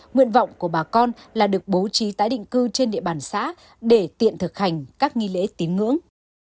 nguyện vọng của bà con là được bố trí tái định cư trên địa bàn xã để tiện thực hành các nghi lễ tín ngưỡng